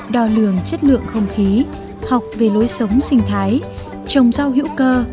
đo lường chất lượng không khí học về lối sống sinh thái trồng rau hữu cơ